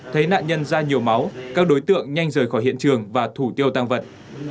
thấy nạn nhân ra nhiều máu các đối tượng nhanh rời khỏi hiện trường và thủ tiêu tăng vật